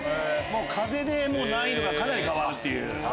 風で難易度がかなり変わるっていう。